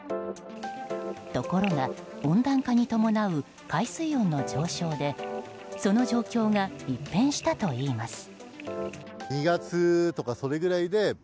ところが、温暖化に伴う海水温の上昇でその状況が一変したといいます。